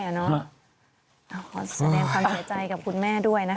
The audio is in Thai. ขอแสดงความเสียใจกับคุณแม่ด้วยนะคะ